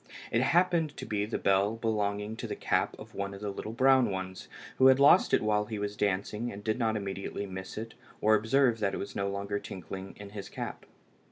It happened to be the bell belonging to the cap of one of the little brown ones, who had lost it while he was dancing, and did not immediately miss it or observe that it was no longer tinkling in his cap.